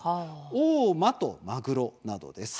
大間とまぐろなどです。